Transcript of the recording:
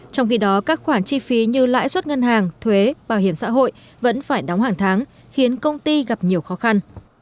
trong khi đó các khoản chi phí như lãi suất ngân hàng thuế bảo hiểm xã hội vẫn phải đóng hàng tháng khiến công ty gặp nhiều khó khăn